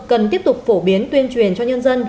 cần tiếp tục phổ biến tuyên truyền cho nhân dân